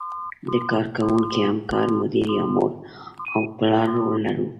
د کار کوونکي، همکار، مدیر یا مور او پلار رول لرو.